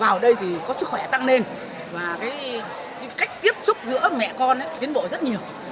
vào đây thì có sức khỏe tăng lên và cái cách tiếp xúc giữa mẹ con tiến bộ rất nhiều